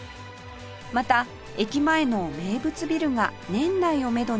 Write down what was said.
また駅前の名物ビルが年内をめどに閉館の予定